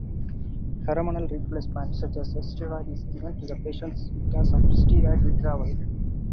Hormonal replacement such as steroid is given to patients because of steroid withdrawal.